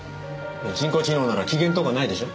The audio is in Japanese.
人工知能なら機嫌とかないでしょ？